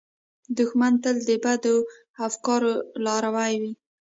دښمن تل د بدو افکارو لاروي وي